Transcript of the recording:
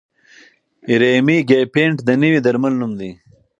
ریمیګیپینټ د نوي درمل نوم دی.